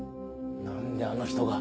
なんであの人が。